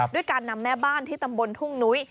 ด้วยการนำแม่บ้านที่ตำบลทุ่งนุ้ย